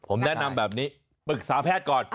ผมแนะนำแบบนี้ปรึกษาแพทย์ก่อน